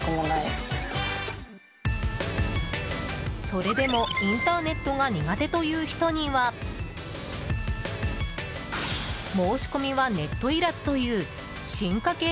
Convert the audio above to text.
それでもインターネットが苦手という人には申し込みはネットいらずという進化系